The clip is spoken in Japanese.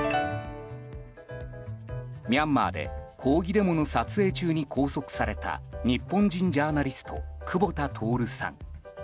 ミャンマーで抗議デモの撮影中に拘束された日本人ジャーナリスト久保田徹さん。